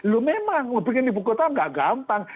lu memang membuat ibu kota nggak gampang